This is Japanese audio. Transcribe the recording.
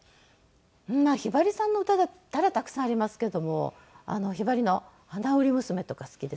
まあひばりさんの歌だったらたくさんありますけども『ひばりの花売娘』とか好きですね。